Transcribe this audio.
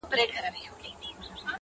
چي ته حال راكړې گرانه زه درځمه_